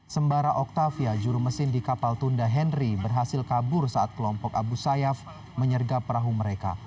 sembara octavia juru mesin di kapal tunda henry berhasil kabur saat kelompok abu sayyaf menyergap perahu mereka